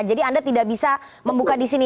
jadi anda tidak bisa membuka di sini